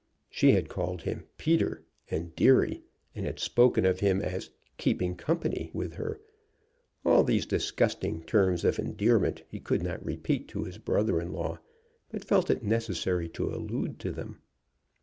She had called him "Peter" and "deary," and had spoken of him as "keeping company" with her. All these disgusting terms of endearment he could not repeat to his brother in law, but felt it necessary to allude to them.